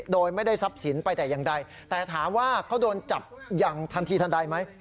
โดยไม่ได้ทรัพย์สินไปแต่อย่างใดแต่ถามว่าเขาโดนจับอย่างทันทีทันใดไหม